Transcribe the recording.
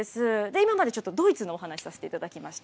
今、ドイツのお話しさせていただきました。